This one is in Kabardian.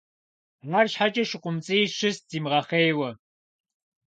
АрщхьэкӀэ ШыкъумцӀий щыст зимыгъэхъейуэ.